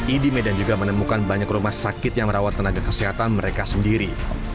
idi medan juga menemukan banyak rumah sakit yang merawat tenaga kesehatan mereka sendiri